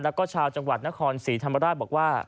แล้วก็ชาวจังหวัดนครศรีธรรมราชบอกว่า